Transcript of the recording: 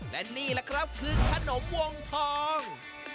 และนี่แหละครับคือขนมวงทอง